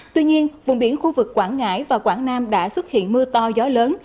tuy nhiên vùng biển khu vực quảng ngãi và quảng nam đã xuất hiện mưa to gió lớn